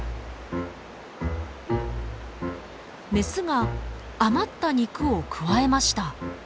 メスが余った肉をくわえました。